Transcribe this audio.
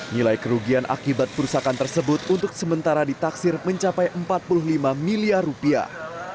nilai kerugian akibat perusahaan tersebut untuk sementara ditaksir mencapai empat puluh lima miliar rupiah